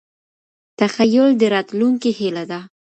تخیل د راتلونکي هیله ده.